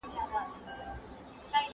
¬ هر شى پر خپل ځاى ښه ايسي.